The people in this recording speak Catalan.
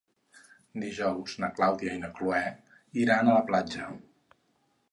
Dijous na Clàudia i na Cloè iran a la platja.